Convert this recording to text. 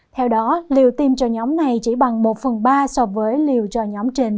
theo đó liều tiêm cho nhóm này chỉ bằng một phần ba so với liều cho nhóm trên một mươi hai tuổi